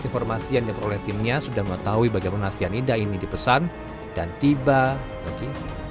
informasi yang diperoleh timnya sudah mengetahui bagaimana sianida ini di pesan dan tiba lagi